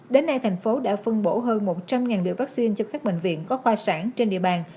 đến nay thành phố đã phân bổ hơn một trăm linh liều vaccine cho các bệnh viện có khoa sản trên địa bàn